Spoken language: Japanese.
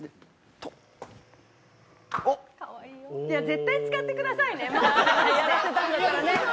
じゃあ絶対使ってくださいね。